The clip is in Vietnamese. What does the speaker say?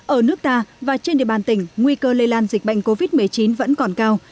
ở nước ta và trên địa bàn tỉnh nguy cơ lây lan dịch bệnh covid một mươi chín vẫn còn cao